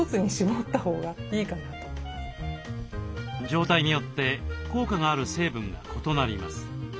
状態によって効果がある成分が異なります。